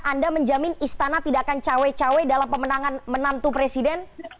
anda menjamin istana tidak akan cawe cawe dalam pemenangan menantu presiden